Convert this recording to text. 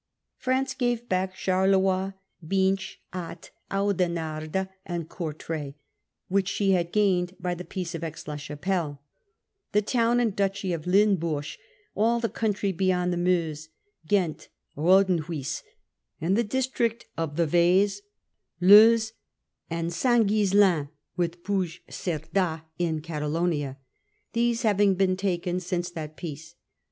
France gave back Charleroi, Binch, Ath, Oudenarde, and Courtrai, which she had gained by the Peace of Aix la Chapelle ; the town and duchy of Limburg, all the country beyond the Meuse, Ghent, Rodenhus, and the district of the Waes, Leuze, and St. Gliislain, with Puy cerda in Catalonia, these having been taken since that peace.